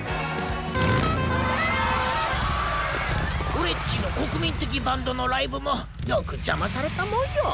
俺っちの国民的バンドのライブもよく邪魔されたもんよ。